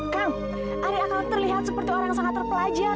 kang ari akan terlihat seperti orang yang sangat terpelajar